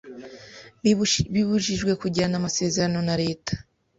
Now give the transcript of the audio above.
bibujijwe kugirana amasezerano na Leta